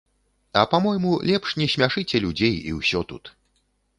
А па-мойму, лепш не смяшыце людзей, і ўсё тут!